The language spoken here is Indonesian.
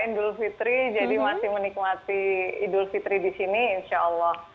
idul fitri jadi masih menikmati idul fitri di sini insya allah